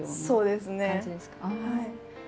そうですねはい。